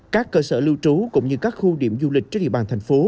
các cơ sở lưu trú cũng như các khu điểm du lịch trên địa bàn thành phố